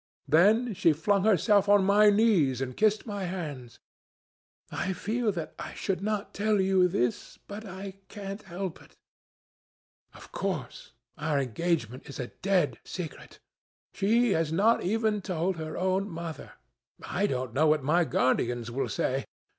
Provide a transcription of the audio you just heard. Then she flung herself on her knees and kissed my hands. I feel that I should not tell you all this, but I can't help it. Of course, our engagement is a dead secret. She has not even told her own mother. I don't know what my guardians will say.